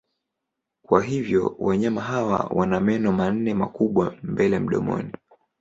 Kwa hivyo wanyama hawa wana meno manne makubwa mbele mdomoni.